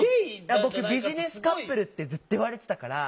僕ビジネスカップルってずっと言われてたから。